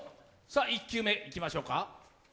１球目いきましょうか。